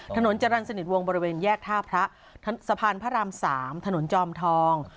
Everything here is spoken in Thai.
ถนนจรรย์สนิทวงบริเวณแยกท่าพระสะพานพระราม๓ถนนจอมทอง